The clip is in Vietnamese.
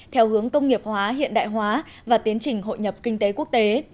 theo hướng công nghiệp hóa hiện đại hóa và tiến trình hội nhập kinh tế quốc tế